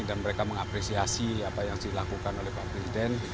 dan mereka mengapresiasi apa yang dilakukan oleh pak presiden